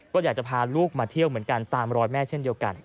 ก็อยากจะพาลูกมาเที่ยวเหมือนกันตามรอยแม่เช่นเดียวกัน